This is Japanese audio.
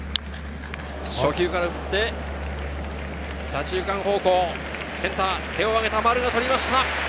初球から振って左中間方向、センター、手をあげた丸が捕りました。